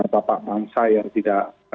bapak bangsa yang tidak